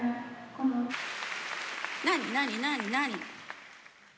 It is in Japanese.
何何何何？